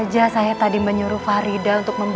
kau satu orang n representa babu